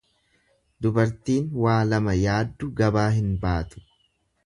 Dubartiin waa lama yaaddu gabaa hin baatu.